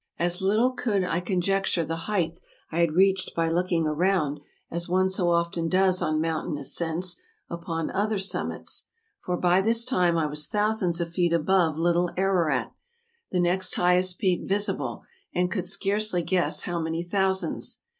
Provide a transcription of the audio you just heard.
As little could I conjecture the height I had reached by looking around, as one so often does on mountain ascents, upon other summits ; for by this time I was thousands of feet above Little Ararat, the next highest peak visible, and could scarcely guess how many thousands.